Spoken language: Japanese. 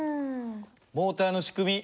モーターの仕組み